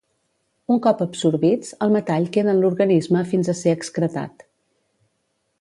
Un cop absorbits, el metall queda en l'organisme fins a ser excretat.